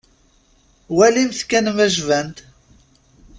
Walimt kan ma jban-d.